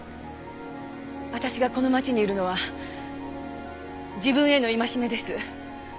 私がこの町にいるのは自分への戒めです。